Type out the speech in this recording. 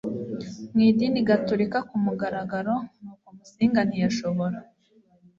mu idini gatorika ku mugaragaro nuko Musinga ntiyashobora